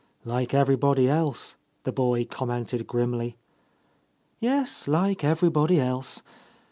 "Like everybody else," the boy commented grimly. "Yes, like everybody else.